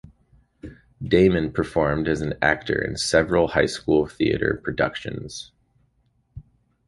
Damon performed as an actor in several high school theater productions.